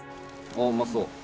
あうまそう。